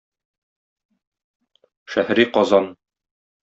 "Шәһри Казан".